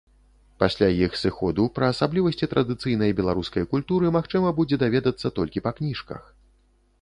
Пасля іх сыходу пра асаблівасці традыцыйнай беларускай культуры магчыма будзе даведацца толькі па кніжках.